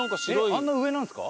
あんな上なんですか？